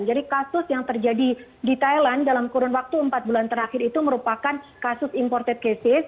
jadi kasus yang terjadi di thailand dalam kurun waktu empat bulan terakhir itu merupakan kasus imported cases